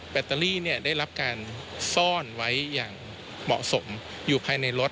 แบตเตอรี่ได้รับการซ่อนไว้อย่างเหมาะสมอยู่ภายในรถ